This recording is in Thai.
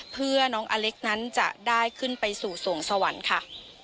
เพื่อน้องอเล็กนั้นจะได้ขึ้นไปสู่สวงสวรรค์ค่ะ